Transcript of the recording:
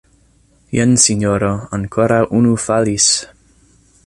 Jen sinjoro, ankoraŭ unu falis!